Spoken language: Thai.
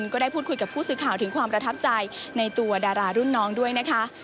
ก็ได้พูดคุยกับผู้สื่อข่าวถึงความประทับใจในตัวดารารุ่นน้องด้วยนะคะ